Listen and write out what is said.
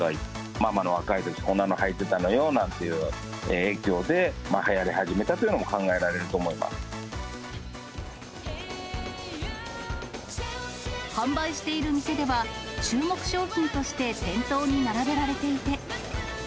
ままの若いとき、こんなのはいてたのよなんていう影響ではやり始めたというのも考販売している店では、注目商品として店頭に並べられていて。